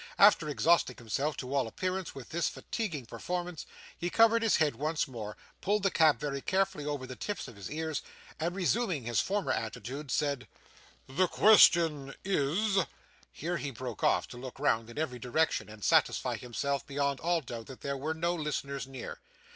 After exhausting himself, to all appearance, with this fatiguing performance, he covered his head once more, pulled the cap very carefully over the tips of his ears, and resuming his former attitude, said, 'The question is ' Here he broke off to look round in every direction, and satisfy himself beyond all doubt that there were no listeners near.